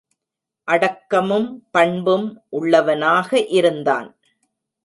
அடக்கமும், பண்பும் உள்ளவனாக இருந்தான்.